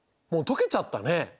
もう解けちゃったね。